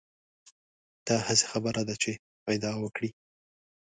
دا هسې خبره ده چې ادعا وکړي.